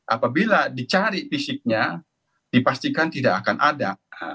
apabila dicari fisiknya dipastikan tidak akan ada